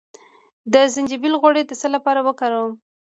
د زنجبیل غوړي د څه لپاره وکاروم؟